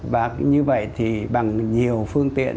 và như vậy thì bằng nhiều phương tiện